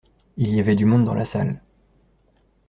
Il y avait du monde dans la salle.